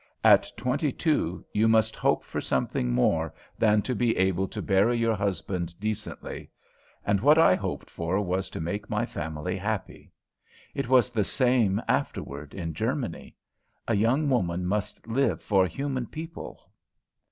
At twenty two you must hope for something more than to be able to bury your husband decently, and what I hoped for was to make my family happy. It was the same afterward in Germany. A young woman must live for human people.